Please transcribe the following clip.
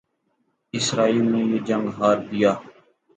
اسرائیل نے یہ جنگ ہار دیا